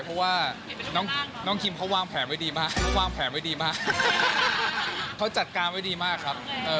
เพราะว่าน้องคิมเขาว่างแผนไว้ดีมากเขาจัดการไว้ดีมากครับ